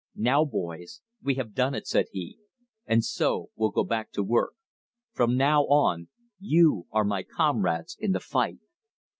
"Now, boys, we have done it," said he, "and so will go back to work. From now on you are my comrades in the fight."